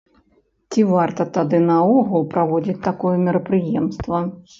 Ці варта тады наогул праводзіць такое мерапрыемства?